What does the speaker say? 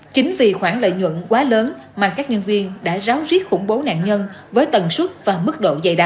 chính vì khoản lợi nhuận quá lớn mà các nhân viên đã ráo riết khủng bố nạn nhân với tần suất và mức độ dày đặc